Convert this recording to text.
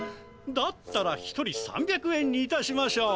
だったら１人３００円にいたしましょう。